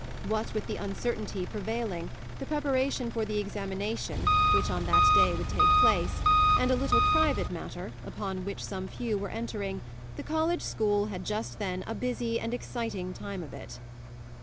What with the uncertainty prevailing, the preparation for the examination, which on that day would take place, and a little private matter, upon which some few were entering, the college school had just then a busy and exciting time of it.